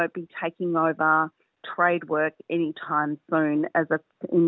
ai tidak akan mengambil over perusahaan perusahaan